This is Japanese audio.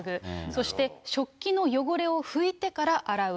そして食器の汚れを拭いてから洗う。